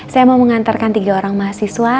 saya mau mengantarkan tiga orang mahasiswa